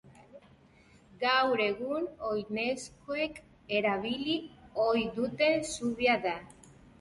Gaur egun, oinezkoek erabili ohi duten zubia da.